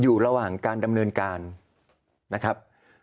อยู่ระหว่างการดำเนินการนะครับ